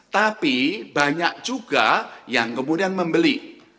tapi banyak juga yang kemudian membeli